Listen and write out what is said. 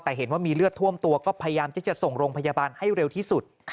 แต่เห็นว่ามีเลือดท่วมตัวก็พยายามที่จะส่งโรงพยาบาลให้เร็วที่สุด